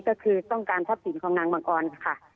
ก็คือต้องการทรัพย์สินของนางบังออนค่ะ